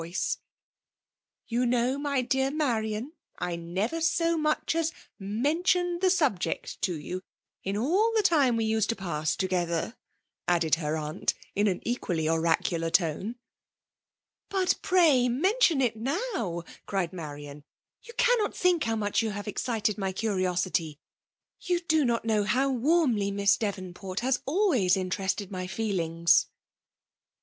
FEMALE DOMINATION. 157 'YovL know> my dear Mariaii, I never so much as mentioned the subject to you in all the time we used to pass together^ added her aunt^ in an equally oracular tone. "'♦' But pray mention it now !" cried Marian :" you cannot think how much you have ex cited my curiosity ;— ^you do not know how warmly Miss Davenport has always interested my* fedings